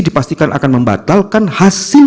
dipastikan akan membatalkan hasil